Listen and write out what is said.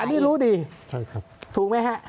อันนี้รู้ดีถูกไหมฮะ